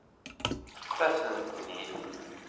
Ṭṭfet-asen-ten-id.